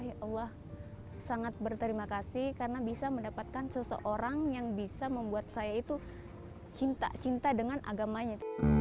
ya allah sangat berterima kasih karena bisa mendapatkan seseorang yang bisa membuat saya itu cinta cinta dengan agamanya